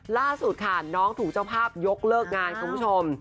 ล่าสุดค่ะน้องถูกเจ้าภาพยกเลิกงานคุณผู้ชม